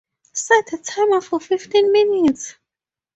Set a timer for fifteen minutes.